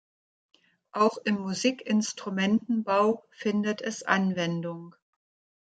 Auch im Musikinstrumentenbau findet es Anwendung.